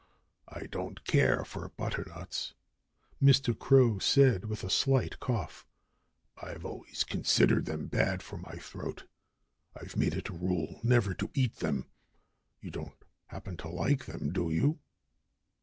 I don't care for butternuts," Mr. Crow said, with a slight cough. "I've always considered them bad for my throat. I've made it a rule never to eat them. You don't happen to like them, do you?"